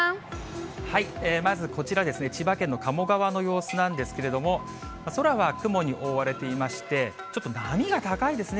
まずこちらですね、千葉県の鴨川の様子なんですけれども、空は雲に覆われていまして、ちょっと波が高いですね。